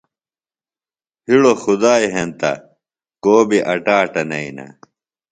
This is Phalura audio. ہِڑوۡ خدائی ہنتہ کو بیۡ اٹاٹہ نئینہ۔